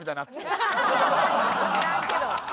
知らんけど。